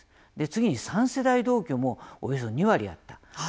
次に３世代同居もおよそ２割あった。